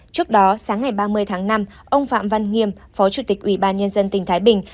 trước đó sáng ngày ba mươi tháng năm ông phạm văn nghiêm phó chủ tịch ủy ban nhân dân tỉnh thái bình